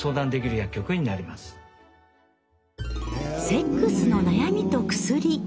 「セックスの悩みと薬」